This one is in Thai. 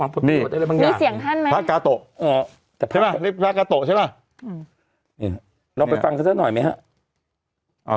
ภาคกาโตะใช่ป่ะภาคกาโตะใช่ป่ะอืมนี่ลองไปฟังซักหน่อยไหมฮะ